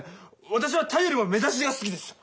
私は鯛よりも目刺しが好きです！